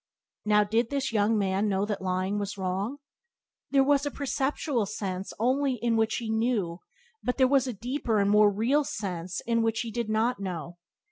Now, did this young man know that lying was wrong? There was a perceptual sense only in which he knew, but there was a deeper and more real sense in which he did not know.